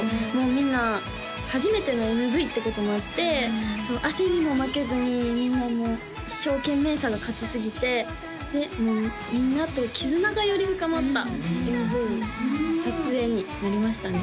みんな初めてのＭＶってこともあって汗にも負けずにみんなもう一生懸命さが勝ちすぎてでもうみんなと絆がより深まったＭＶ撮影になりましたね